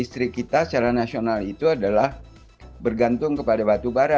jadi kita secara nasional itu adalah bergantung kepada batu bara